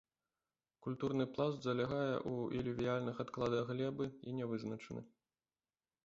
Культурны пласт залягае ў ілювіяльных адкладах глебы і нявызначаны.